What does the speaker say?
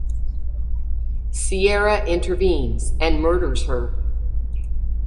Sierra intervenes and murders her.